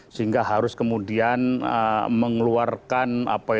sehingga harus kemudian mengeluarkan